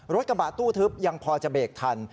รถกระบะตู้ทึบยังพอจะเบรกทัน